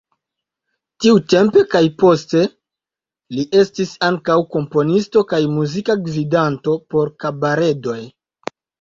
Tiutempe kaj poste li estis ankaŭ komponisto kaj muzika gvidanto por kabaredoj.